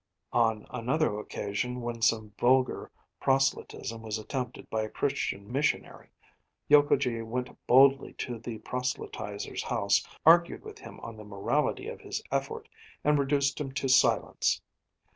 On another occasion when some vulgar proselytism was attempted by a Christian missionary, Yokogi went boldly to the proselytiser's house, argued with him on the morality of his effort, and reduced him to silence.